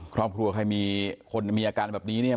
ครอบครัวใครมีคนมีอาการแบบนี้เนี่ย